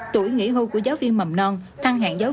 tuổi nghỉ hô của giáo viên mầm non